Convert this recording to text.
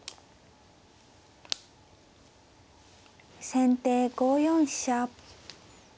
先手５四飛車。